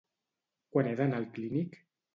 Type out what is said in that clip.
Quan he d'anar al Clínic?